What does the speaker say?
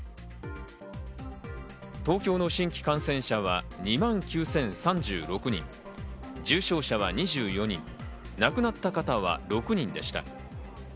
東京の新規感染者は２万９０３６人、重症者は２４人、亡くなった方は６人でした。